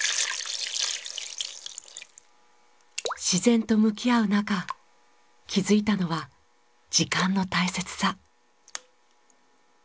自然と向き合う中気づいたのは時間の大切さ。